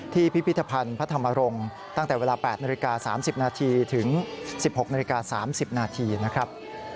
ที่พิพิธภัณฑ์ธรรมรงค์ตั้งแต่เวลา๘น๓๐นถึง๑๖น๓๐นนะครับ